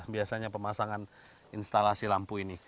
biasanya pemasangan instalasi lampu ini